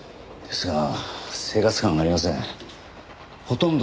ですが生活感がありません。